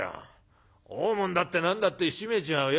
大門だって何だって閉めちゃうよ。